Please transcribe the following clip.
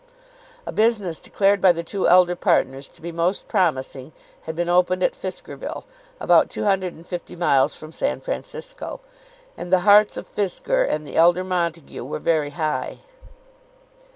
A business declared by the two elder partners to be most promising had been opened at Fiskerville, about two hundred and fifty miles from San Francisco, and the hearts of Fisker and the elder Montague were very high.